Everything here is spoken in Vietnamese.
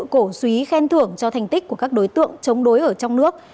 tổ chức này đều xúy khen thưởng cho thành tích của các đối tượng chống đối ở trong nước